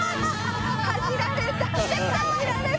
かじられたかじられた。